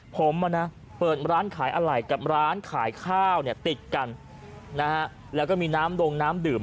ผมเปิดร้านขายอะไหล่กับร้านขายข้าวเนี่ยติดกันนะฮะแล้วก็มีน้ำดงน้ำดื่ม